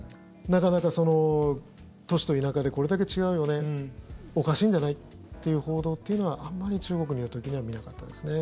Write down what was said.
なかなか都市と田舎でこれだけ違うよねおかしいんじゃないっていう報道というのはあまり中国にいる時には見なかったですね。